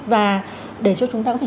và để cho chúng ta có thể